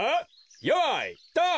よいドン！